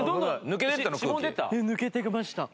抜けていきました。